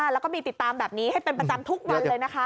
แล้วก็มีติดตามแบบนี้ให้เป็นประจำทุกวันเลยนะคะ